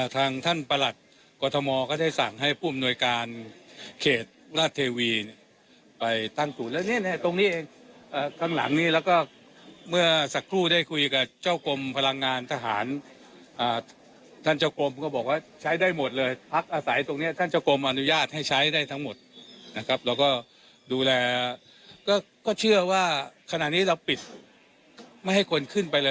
ทั้งหลังนี้แล้วก็เมื่อสักครู่ได้คุยกับเจ้าคมพลังงานทหารท่านเจ้าคมก็บอกว่าใช้ได้หมดเลย